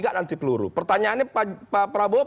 kan anti peluru pertanyaannya pak prabowo